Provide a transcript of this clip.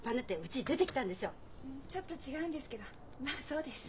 ちょっと違うんですけどまあそうです。